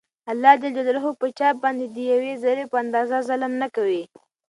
الله په چا باندي د يوې ذري په اندازه ظلم نکوي